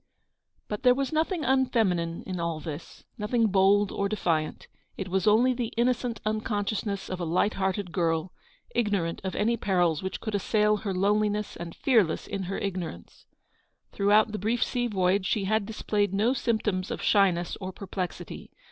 But there was nothing unfeminine in all this ; nothing bold or defiant ; it was only the innocent unconsciousness of a light hearted girl, ignorant of any perils which could assail her loneliness, and fearless in her ignorance. Throughout the GOING HOME. .j brief sea voyage she had displayed no symptoms of shyness or perplexity.